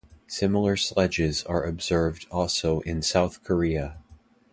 Similar sledges are observed also in South Korea.